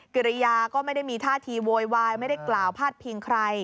กิริยาก็ไม่ได้มีท่าทีโวยวายไม่ได้กล่าวพาดพิงใคร